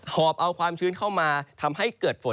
อบเอาความชื้นเข้ามาทำให้เกิดฝน